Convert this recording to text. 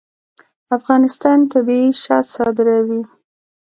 افغانستان طبیعي شات صادروي